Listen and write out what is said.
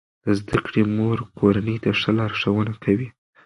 د زده کړې مور کورنۍ ته ښه لارښوونه کوي.